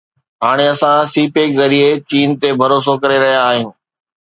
هاڻي اسان CPEC ذريعي چين تي ڀروسو ڪري رهيا آهيون